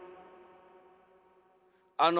あの。